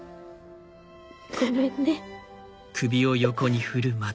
ごめんね。